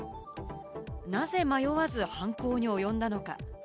なぜ迷わず犯行に及んだのか。